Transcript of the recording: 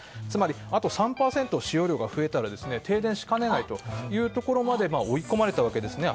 つまり、あと３％使用量が増えたら停電しかねないというところまで追い込まれたわけです。